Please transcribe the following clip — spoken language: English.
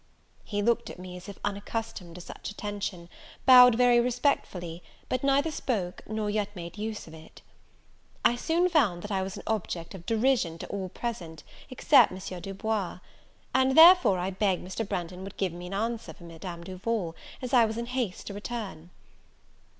He looked at me as if unaccustomed to such attention, bowed very respectfully, but neither spoke nor yet made use of it. I soon found that I was an object of derision to all present, except M. Du Bois; and therefore, I begged Mr. Branghton would give me an answer for Madame Duval, as I was in haste to return.